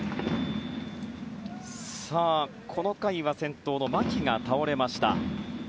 この回は先頭の牧が倒れました。